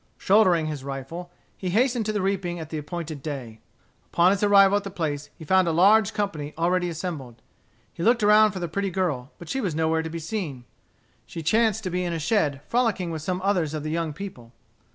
Shouldering his rifle, he hastened to the reaping at the appointed day. Upon his arrival at the place he found a large company already assembled. He looked around for the pretty girl, but she was nowhere to be seen. She chanced to be in a shed frolicking with some others of the young people.